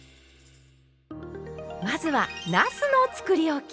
まずはなすのつくりおき。